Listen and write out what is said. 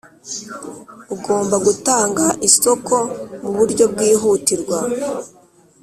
Ugomba gutanga isoko mu buryo bwihutirwa